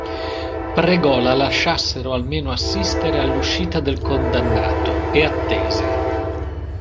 Pregò la lasciassero almeno assistere all'uscita del condannato, e attese.